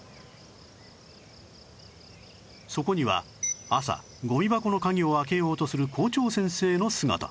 そこには朝ゴミ箱の鍵を開けようとする校長先生の姿